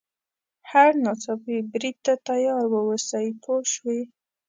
هر ناڅاپي برید ته تیار واوسي پوه شوې!.